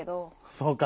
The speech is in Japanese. そうか。